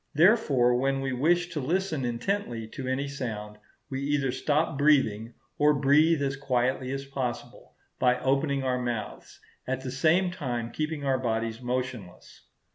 Therefore, when we wish to listen intently to any sound, we either stop breathing, or breathe as quietly as possible, by opening our mouths, at the same time keeping our bodies motionless.